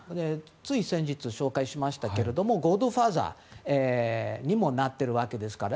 つい先日紹介しましたけれどもゴッドファーザーにもなっているわけですから。